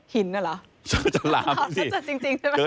หินอะเหรอ